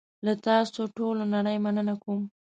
له تاسوټولونړۍ مننه کوم .